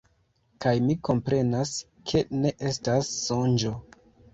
Kaj mi komprenas, ke ne estas sonĝo.